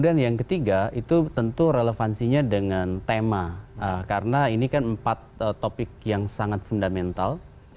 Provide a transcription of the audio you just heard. dan yang ketiga itu tentu relevansinya dengan tema karena ini kan empat topik yang sangat fundamental